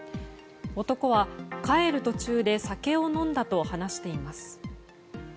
男は、帰る途中で酒を飲んだと話しています。